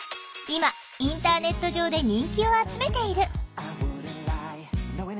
今インターネット上で人気を集めている。